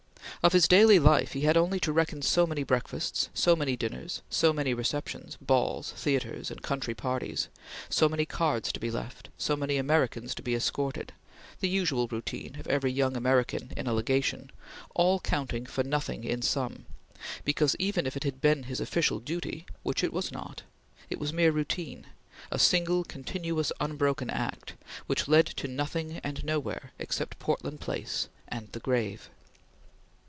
Of his daily life he had only to reckon so many breakfasts; so many dinners; so many receptions, balls, theatres, and country parties; so many cards to be left; so many Americans to be escorted the usual routine of every young American in a Legation; all counting for nothing in sum, because, even if it had been his official duty which it was not it was mere routine, a single, continuous, unbroken act, which led to nothing and nowhere except Portland Place and the grave.